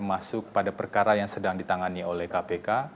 masuk pada perkara yang sedang ditangani oleh kpk